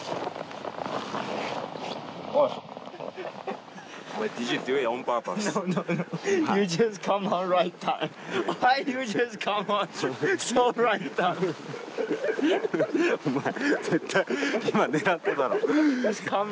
おい！お前絶対今狙っただろ？